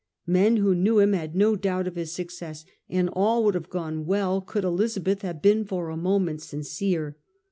Men who knew him had no doubt of his success, and all would have gone well could Elizabeth have been for a moment sincere.